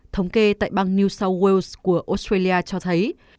thống kê tại bang new south wales của australia cho thấy